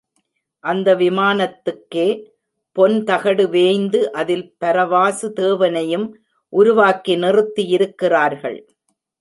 அந்த விமானத்துக்கே பொன் தகடு வேய்ந்து அதில் பரவாசு தேவனையும் உருவாக்கி நிறுத்தியிருக்கிறார்கள்.